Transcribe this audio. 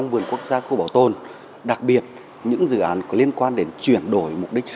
và chưa đủ mạnh